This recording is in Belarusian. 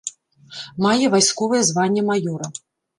Мае вайсковае званне маёра.